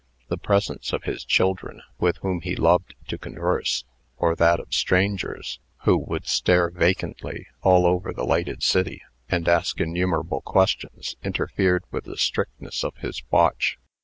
The presence of his children, with whom he loved to converse, or that of strangers, who would stare vacantly all over the lighted city, and ask innumerable questions, interfered with the strictness of his watch.